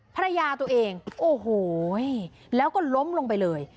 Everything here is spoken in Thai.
ภรรยาตัวเองโอ้โหแล้วก็ล้มลงไปเลย